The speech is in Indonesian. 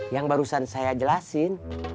yang barusan saya jelasin